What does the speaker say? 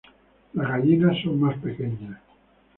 Las gallinas son más pequeñas.